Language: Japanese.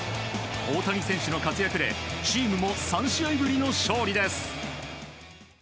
大谷選手の活躍でチームも３試合ぶりの勝利です。